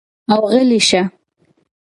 او غلے شۀ ـ